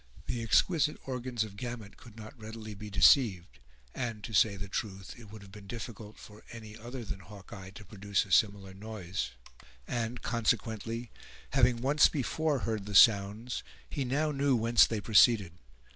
The exquisite organs of Gamut could not readily be deceived (and, to say the truth, it would have been difficult for any other than Hawkeye to produce a similar noise), and, consequently, having once before heard the sounds, he now knew whence they proceeded.